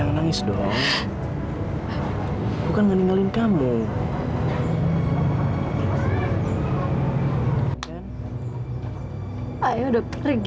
sampai jumpa di video selanjutnya